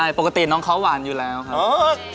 ใช่ปกติน้องเขาหวานอยู่แล้วครับ